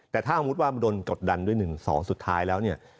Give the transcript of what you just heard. แต่ถ้าพอมหัมตรวมกดดันด้วย๑๑๒สุดท้ายแล้ว